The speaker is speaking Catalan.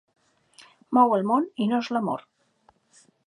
Mou el món i no és l'amor.